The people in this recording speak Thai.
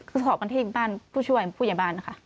คือสอบบันทึกบ้านผู้ช่วยผู้ยาบ้านค่ะ